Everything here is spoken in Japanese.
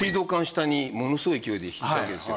下にものすごい勢いで引いたわけですよ。